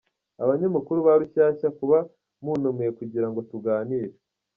abanyamakuru ba Rushyashya kuba muntumiye kugira ngo tuganire.